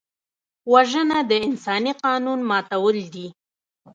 وژنه د انساني قانون ماتول دي